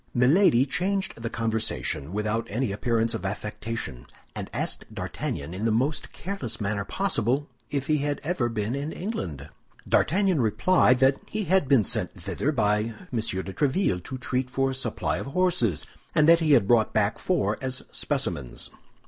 Milady changed the conversation without any appearance of affectation, and asked D'Artagnan in the most careless manner possible if he had ever been in England. D'Artagnan replied that he had been sent thither by M. de Tréville to treat for a supply of horses, and that he had brought back four as specimens.